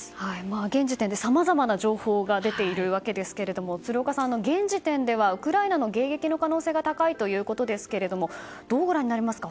現時点で、さまざまな情報が出ているわけですが鶴岡さん、現時点ではウクライナの迎撃の可能性が高いということですけれどもどうご覧になりますか？